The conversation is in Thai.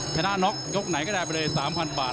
ชนะน็อกยกไหนก็ได้ไปเลย๓๐๐บาท